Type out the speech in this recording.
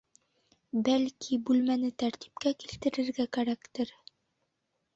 Бәлки, бүлмәне тәртипкә килтерергә кәрәктер?